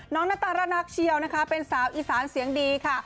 หน้าตาระนักเชียวนะคะเป็นสาวอีสานเสียงดีค่ะ